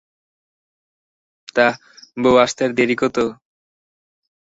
তা, বৌ আসতে আর দেরি কত?